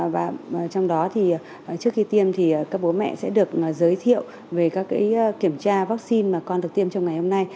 và trong đó thì trước khi tiêm thì các bố mẹ sẽ được giới thiệu về các kiểm tra vaccine mà con được tiêm trong ngày hôm nay